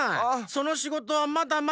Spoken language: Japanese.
そのしごとはまだまだ。